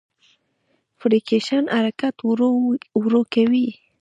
فریکشن حرکت ورو کوي.